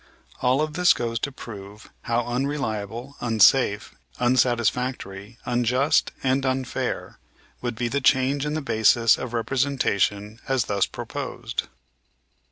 All of this goes to prove how unreliable, unsafe, unsatisfactory, unjust and unfair would be the change in the basis of representation as thus proposed.